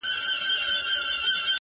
زور او زير مي ستا په لاس کي وليدی ـ